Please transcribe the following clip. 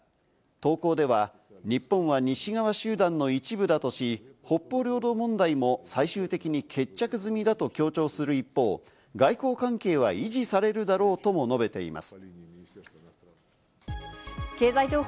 投稿では日本は西側集団の一部だとし、北方領土問題も最終的に決着済みだと強調する一方、外交関係は維持されるだろうとも述べています。